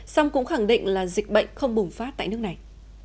song cũng khẳng định là dịch bệnh không bùng phát tại nước này